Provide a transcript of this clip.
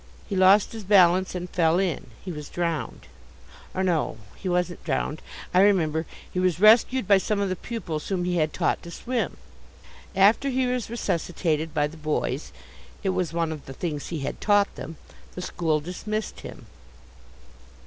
He lost his balance and fell in. He was drowned. Or no, he wasn't drowned, I remember, he was rescued by some of the pupils whom he had taught to swim. After he was resuscitated by the boys it was one of the things he had taught them the school dismissed him.